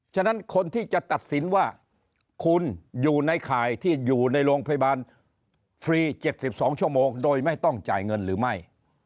ฉะนั้นคนที่จะตัดสินว่าคุณอยู่ในข่ายที่อยู่ในโรงพยาบาลฟรี๗๒ชั่วโมงโดยไม่ต้องจ่ายเงินหรือไม่